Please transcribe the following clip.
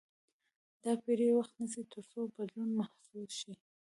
دا پېړۍ وخت نیسي تر څو بدلون محسوس شي.